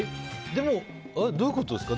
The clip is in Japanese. どういうことですか？